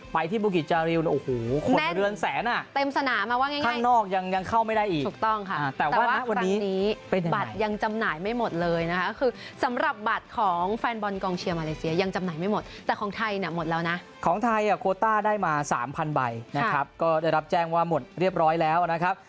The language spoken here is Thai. โปรต้าได้มา๓๐๐๐ใบนะครับก็ได้รับแจ้งว่าหมดเรียบร้อยแล้วนะครับ